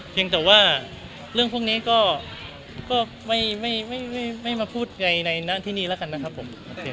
เพียงแต่ว่าเรื่องพวกนี้ก็ไม่มาพูดในหน้าที่นี่แล้วกันนะครับผม